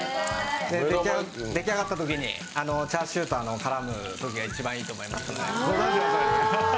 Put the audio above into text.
出来上がったときにチャーシューと絡むときが一番いいと思います。